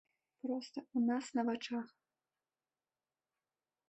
Проста ў нас на вачах.